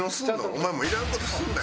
お前もういらん事すんなよ？